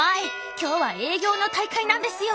今日は営業の大会なんですよ！